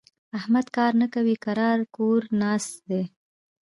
احمد کار نه کوي؛ کرار کور ناست دی.